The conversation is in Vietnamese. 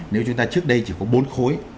nếu chúng ta trước đây chỉ có bốn khối